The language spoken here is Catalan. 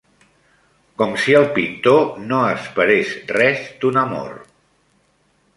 Com si el pintor no esperés res d'un amor